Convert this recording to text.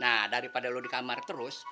nah daripada lo di kamar terus